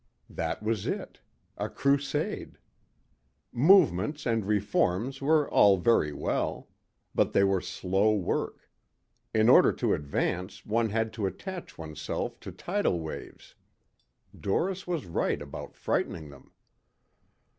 That was it a crusade. Movements and reforms were all very well. But they were slow work. In order to advance one had to attach oneself to tidal waves. Doris was right about frightening them.